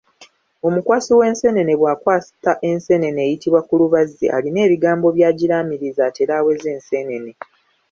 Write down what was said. Omukwasi w'enseenene bw'akwata enseenene eyitibwa kulubazzi alina ebigambo byagiraamiriza atere aweze enseenene.